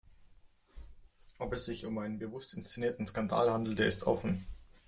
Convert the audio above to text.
Ob es sich um einen bewusst inszenierten Skandal handelte, ist offen.